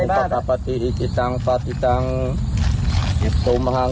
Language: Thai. บอกว่าให้พอถ้ากวดน้ำ